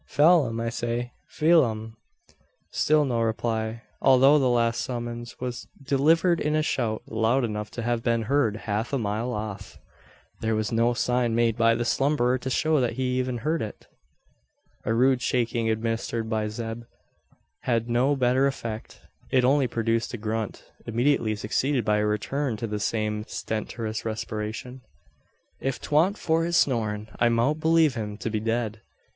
"Pheelum, I say! Pheelum!" Still no reply. Although the last summons was delivered in a shout loud enough to have been heard half a mile off, there was no sign made by the slumberer to show that he even heard it. A rude shaking administered by Zeb had no better effect. It only produced a grunt, immediately succeeded by a return to the same stentorous respiration. "If 'twa'n't for his snorin' I mout b'lieve him to be dead.